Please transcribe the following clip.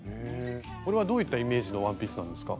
これはどういったイメージのワンピースなんですか？